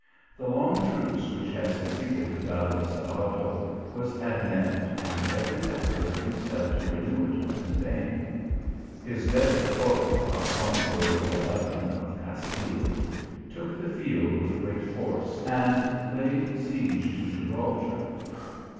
The long truce which had succeeded the battle of Salado, was at an end, and every effort of Jusef to renew it was in vain. His deadly foe, Alfonso XI. of Castile, took the field with great force, and laid siege to Gibraltar.